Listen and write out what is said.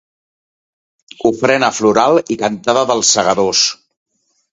Ofrena floral i cantada dels Segadors.